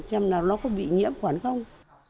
xem là nó có bị nhiễm khoản không